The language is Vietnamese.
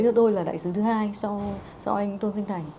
thưa tôi là đại sứ thứ hai sau anh tôn sinh thành